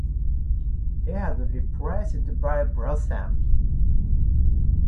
He was replaced by Blossoms.